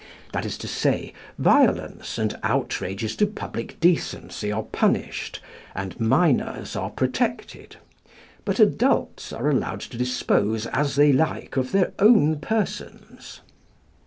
That is to say, violence and outrages to public decency are punished, and minors are protected, but adults are allowed to dispose as they like of their own persons.